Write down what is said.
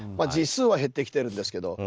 実数は減ってきてるんですけど。